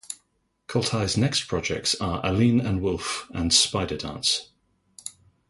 Koltai's next projects are "Aline and Wolfe," and "Spider Dance.